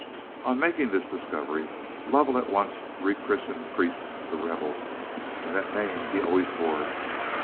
On making this discovery, Lovell at once rechristened Priest "The Rebel," and that name he always bore.